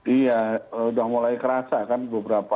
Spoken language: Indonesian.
iya sudah mulai kerasa kan beberapa